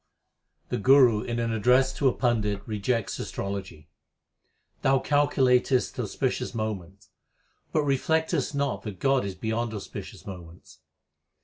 The Guru in an address to a pandit rejects astrology : Thou calculatest auspicious moments, but reflectest not That God is beyond auspicious moments.